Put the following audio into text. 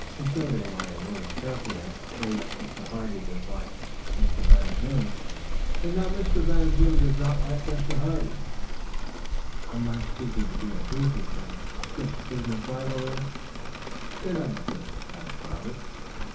"Considering my words carefully, I should say that Mr. Hardy does not like Mr. Van Zoon and that Mr. Van Zoon does not like Mr. Hardy." "I'm not seeking to be intrusive, but is it just business rivalry?" "You are not intrusive, Master Robert.